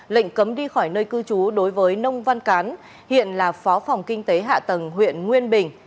lệnh cấm đi khỏi nơi cư trú đối với nông văn cán hiện là phó phòng kinh tế hạ tầng huyện nguyên bình